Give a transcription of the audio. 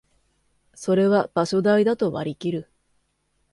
それは場所代だと割りきる